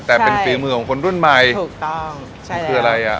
แต่เป็นฝีมือของคนรุ่นใหม่ถูกต้องใช่คืออะไรอ่ะ